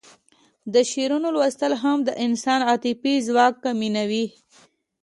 د شعرونو لوستل هم د انسان عاطفه ځواکمنوي